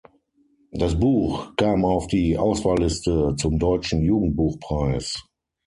Das Buch kam auf die Auswahlliste zum deutschen Jugendbuchpreis.